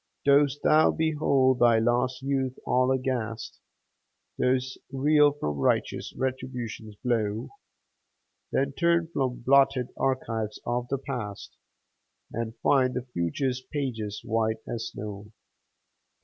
Dost thou behold thy lost youth all aghast? Dost reel from righteous Retribution's blow? Then turn from blotted archives of the past, And find the future's pages white as snow.